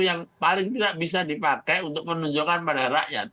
yang paling tidak bisa dipakai untuk menunjukkan pada rakyat